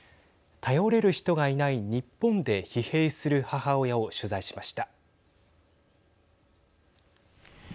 頼れる人がいない日本で疲弊する母親を取材しました。